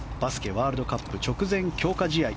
ワールドカップ直前強化試合。